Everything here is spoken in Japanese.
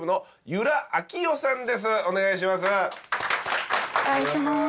お願いします。